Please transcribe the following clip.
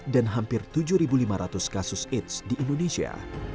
dan hampir tujuh lima ratus kasus aids di indonesia